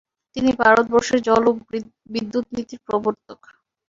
তিনি ভারতবর্ষের জল ও বিদ্যুতনীতির প্রবর্তক ।